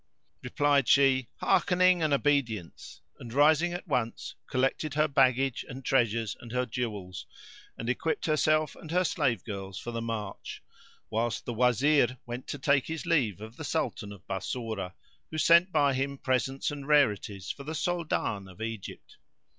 Replied she, "Hearkening and obedience;" and, rising at once, collected her baggage and treasures and her jewels, and equipped herself and her slave girls for the march, whilst the Wazir went to take his leave of the Sultan of Bassorah, who sent by him presents and rarities for the Soldan of Egypt.